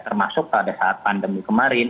termasuk pada saat pandemi kemarin